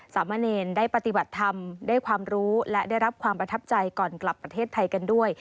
สามเณรได้ปฏิบัติธรรมได้ความรู้และได้รับความประทับใจก่อนกลับประเทศไทยกันด้วย